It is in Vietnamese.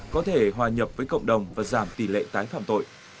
có thể hòa nhập với cộng đồng và giảm tỷ lệ tái phạm tội